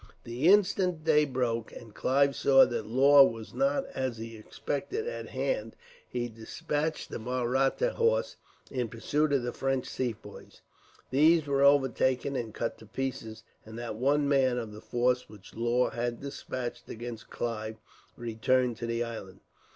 The instant day broke, and Clive saw that Law was not, as he expected, at hand, he despatched the Mahratta horse in pursuit of the French Sepoys. These were overtaken and cut to pieces, and not one man, of the force which Law had despatched against Clive returned to the island.